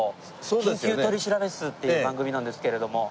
『緊急取調室』っていう番組なんですけれども。